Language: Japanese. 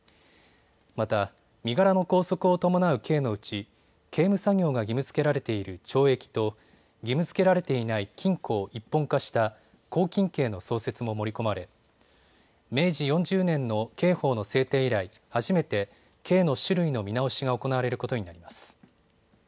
また、身柄の拘束を伴う刑のうち刑務作業が義務づけられている懲役と義務づけられていない禁錮を一本化した拘禁刑の創設も盛り込まれ、明治４０年の刑法の制定以来、初めて刑の種類の見直しが行われることになります。